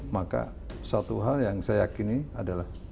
maka satu hal yang saya yakini adalah